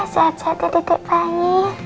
sehat sehat ya dedek pak